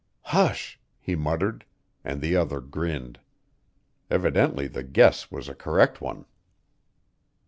"Hush!" he muttered; and the other grinned. Evidently the guess was a correct one.